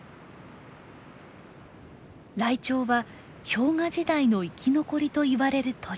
ライチョウは「氷河時代の生き残り」といわれる鳥。